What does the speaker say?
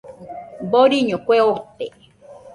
Doriño kue ote.